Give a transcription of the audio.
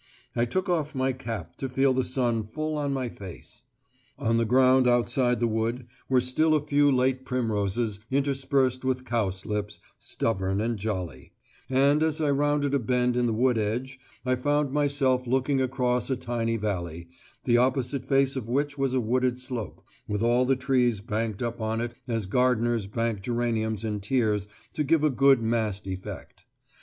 I took off my cap to feel the sun full on my face. On the ground outside the wood were still a few late primroses interspersed with cowslips, stubborn and jolly; and as I rounded a bend in the wood edge, I found myself looking across a tiny valley, the opposite face of which was a wooded slope, with all the trees banked up on it as gardeners bank geraniums in tiers to give a good massed effect.